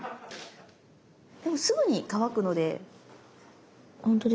でもすぐに乾くので。